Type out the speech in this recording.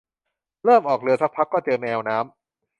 เริ่มออกเรือซักพักก็เจอแมวน้ำ